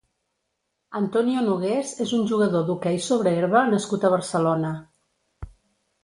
Antonio Nogués és un jugador d'hoquei sobre herba nascut a Barcelona.